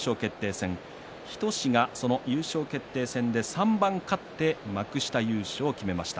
戦日翔志が優勝決定戦で３番勝って幕下優勝を決めました。